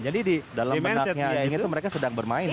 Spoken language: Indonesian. jadi di dalam benaknya itu mereka sedang bermain